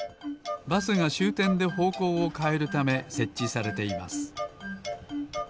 バスがしゅうてんでほうこうをかえるためせっちされています。